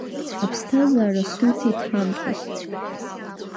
Аԥсҭазаара суҭеит ҳамҭас…